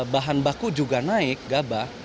bahan baku juga naik gabah